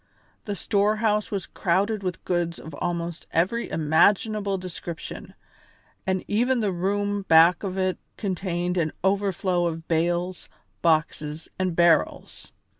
The storehouse was crowded with goods of almost every imaginable description, and even the room back of it contained an overflow of bales, boxes, and barrels.